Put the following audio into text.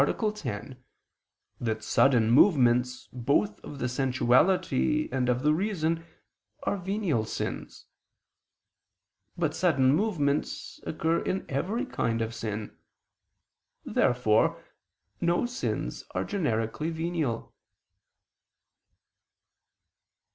10) that sudden movements both of the sensuality and of the reason are venial sins. But sudden movements occur in every kind of sin. Therefore no sins are generically venial.